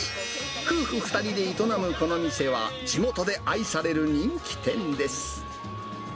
夫婦２人で営むこの店は、地元で愛される人気店です。